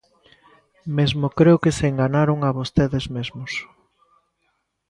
Mesmo creo que se enganaron a vostedes mesmos.